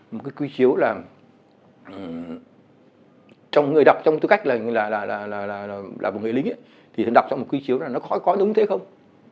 một cái quy chiếu là trong người đọc trong tư cách là một người lính thì đọc trong một quy chiếu là nó khói khói đúng thế không